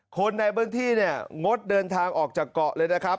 คนในเบื้องที่งดเดินทางออกจากเกาะเลยนะครับ